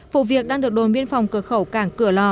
vụ việc đang được đồn biên phòng cửa khẩu cảng cửa lò